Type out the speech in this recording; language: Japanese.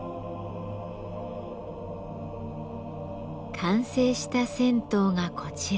完成した銭湯がこちら。